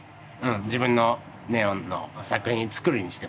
自分のネオンの作品作るにしても。